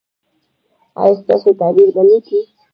ایا ستاسو تعبیر به نیک وي؟